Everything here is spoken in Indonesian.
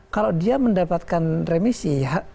kalau dia mendapatkan remisi